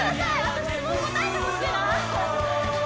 私も答えてほしいな！